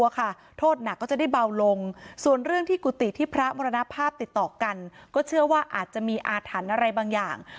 ก็เชื่อว่าอาจจะมีอาถรรพ์อะไรบางอย่าง